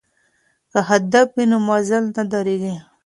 که هدف وي نو مزل نه دریږي.